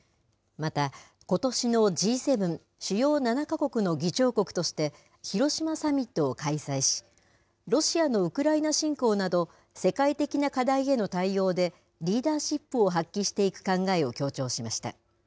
また、ことしのＧ７・主要７か国の議長国として、広島サミットを開催し、ロシアのウクライナ侵攻など、世界的な課題への対応でリーダーシップを発揮していく考えを強調しました。